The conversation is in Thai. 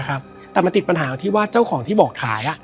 แต่มันติดปัญหาที่ว่าเจ้าของที่บอกขาย